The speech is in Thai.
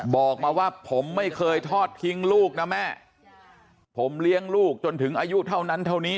บอกมาว่าผมไม่เคยทอดทิ้งลูกนะแม่ผมเลี้ยงลูกจนถึงอายุเท่านั้นเท่านี้